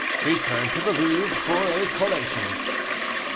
"Return to the Louvre, for a collation."